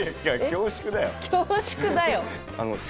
「恐縮だよ」！